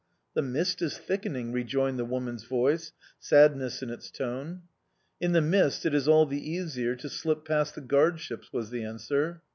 "The mist is thickening," rejoined the woman's voice, sadness in its tone. "In the mist it is all the easier to slip past the guardships," was the answer.